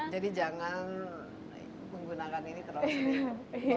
jadi jangan menggunakan ini terus